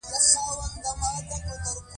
په خپل ځان کې مې یو شوم حس وکړ چې ډېر بد و.